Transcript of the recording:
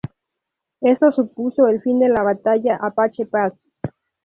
Eso supuso el fin de la batalla de Apache Pass.